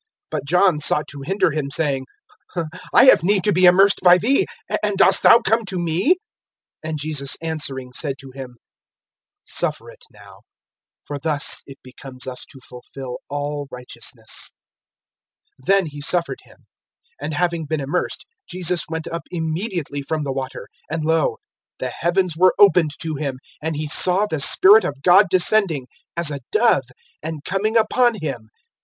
(14)But John sought to hinder him, saying: I have need to be immersed by thee, and dost thou come to me? (15)And Jesus answering said to him: Suffer it now; for thus it becomes us to fulfill all righteousness. Then he suffered him. (16)And having been immersed, Jesus went up immediately from the water; and lo, the heavens were opened to him, and he saw the Spirit of God descending, as a dove, and coming upon him.